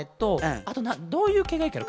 あとどういうけいがいいケロ？